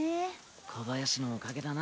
小林のおかげだな。